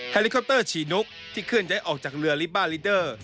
ลิคอปเตอร์ฉี่นุกที่เคลื่อยออกจากเรือลิบาลิเดอร์